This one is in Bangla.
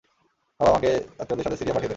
বাবা আমাকে আত্মীয়দের সাথে সিরিয়া পাঠিয়ে দেয়।